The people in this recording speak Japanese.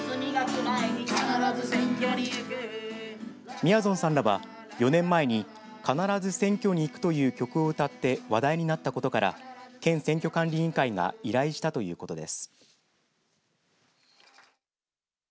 みやぞんさんらは４年前に、かならず選挙に行くという曲を歌って話題になったことから県選挙管理委員会が依頼をしたということです。